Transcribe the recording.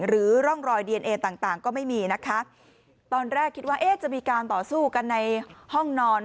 หรือร่องรอยดีเอนเอต่างต่างก็ไม่มีนะคะตอนแรกคิดว่าเอ๊ะจะมีการต่อสู้กันในห้องนอน